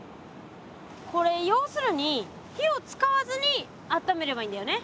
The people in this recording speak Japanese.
これ要するに火を使わずにあっためればいいんだよね？